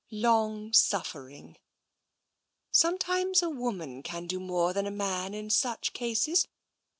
Long suffering. Sometimes a woman can do more than a man in such cases.